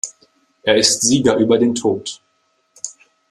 Er ist Sieger über den Tod.